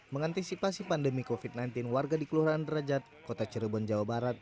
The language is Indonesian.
mengantisipasi pandemi covid sembilan belas warga di kelurahan derajat kota cirebon jawa barat